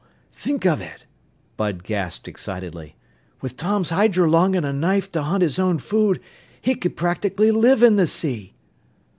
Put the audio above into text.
Think of it!" Bud gasped excitedly. "With Tom's hydrolung and a knife to hunt his own food, he could practically live in the sea!"